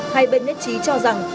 hai bên nhất trí cho rằng